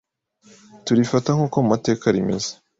turifata nk’uko mu mateka rimeze